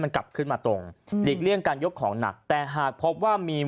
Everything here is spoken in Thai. มันกลับขึ้นมาตรงหลีกเลี่ยงการยกของหนักแต่หากพบว่ามี